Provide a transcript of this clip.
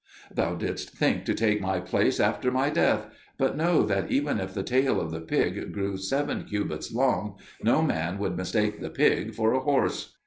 "Thou didst think to take my place after my death; but know that even if the tail of the pig grew seven cubits long, no man would mistake the pig for a horse."